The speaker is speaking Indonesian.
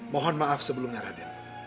mohon maaf sebelumnya raden